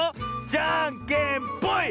じゃんけんぽい！